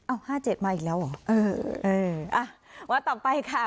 ห้าเจ็ดมาอีกแล้วเหรอเออเอออ่ะวันต่อไปค่ะ